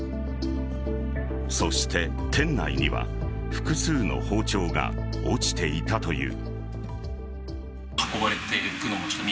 そして店内には複数の包丁が落ちていたという。